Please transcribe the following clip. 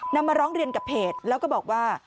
มาร้องเรียนกับเพจแล้วก็บอกว่า